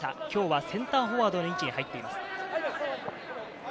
今日はセンターフォワードの位置に入っています。